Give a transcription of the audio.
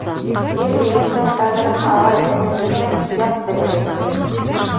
Ир-егеттең ҡәҙерен ағай-эне белмәҫ, ят белер.